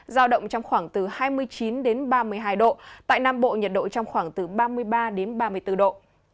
giao động trong khoảng từ hai mươi chín đến ba mươi hai độ tại nam bộ nhiệt độ trong khoảng từ ba mươi ba đến ba mươi bốn độ